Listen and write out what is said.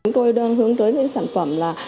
chúng tôi đang hướng tới những sản phẩm